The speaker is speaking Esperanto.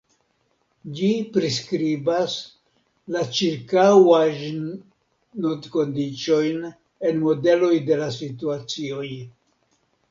Ĝi priskribas la ĉirkaŭajn kondiĉojn en modeloj de la situacioj.